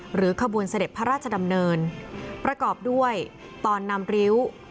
ขบวนเสด็จพระราชดำเนินประกอบด้วยตอนนำริ้ว